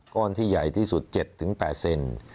ก้อนที่ใหญ่ที่สุด๗๘เซน